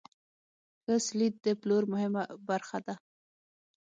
ښه سلیت د پلور مهمه برخه ده.